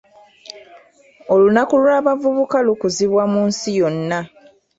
Olunaku lw'abavubuka lukuzibwa mu nsi yonna.